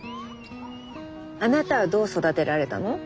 あなたはどう育てられたの？